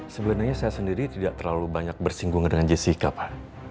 sebenarnya saya sendiri tidak terlalu banyak bersinggungan dengan jessica pak